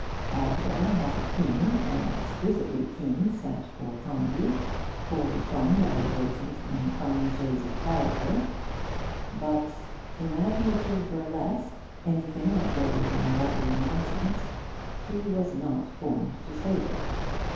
Boswell has a keen, an exquisitely keen, scent for comedy, for the fun that is latent in fine shades of character; but imaginative burlesque, anything that borders on lovely nonsense, he was not formed to savour.